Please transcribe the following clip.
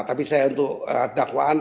tapi saya untuk dakwaan